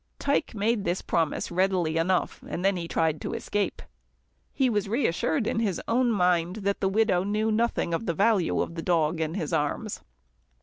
Tike made this promise readily enough, then he tried to escape. He was reassured in his own mind. The widow knew nothing of the value of the dog in his arms.